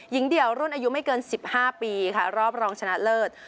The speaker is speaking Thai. เดี่ยวรุ่นอายุไม่เกิน๑๕ปีค่ะรอบรองชนะเลิศ